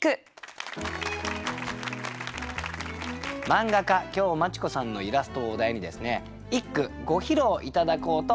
漫画家今日マチ子さんのイラストをお題に一句ご披露頂こうと思います。